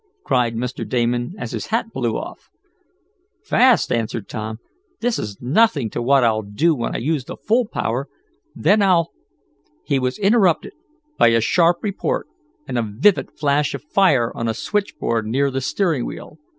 cried Mr. Damon, as his hat blew off. "Fast?" answered Tom. "This is nothing to what I'll do when I use the full power. Then I'll " He was interrupted by a sharp report, and a vivid flash of fire on a switch board near the steering wheel.